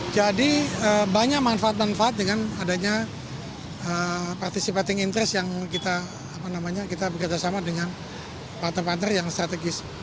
jadi banyak manfaat manfaat dengan adanya participating interest yang kita bekerjasama dengan partner partner yang strategis